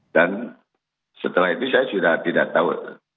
dan setelah itu saya sudah tidak tahu